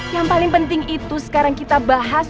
yang paling penting itu sekarang kita bahas